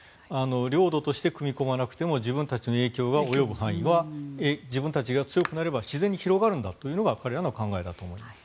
領土として組み込まなくても自分たちの影響が及ぶ範囲は自分たちが強くなれば自然に広がるんだというのが彼らの考えだと思います。